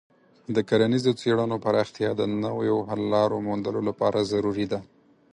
د کرنیزو څیړنو پراختیا د نویو حل لارو موندلو لپاره ضروري ده.